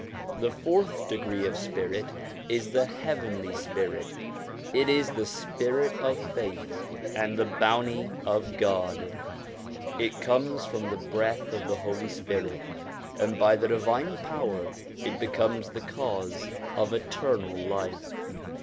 The fourth degree of spirit is the heavenly spirit ; it is the spirit of faith and the bounty of God ; it comes from the breath of the Holy Spirit, and by the divine power it becomes the cause of eternal life.